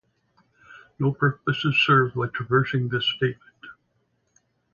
No purpose is served by traversing this statement.